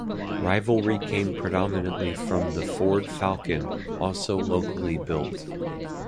Rivalry came predominantly from the Ford Falcon-also locally built.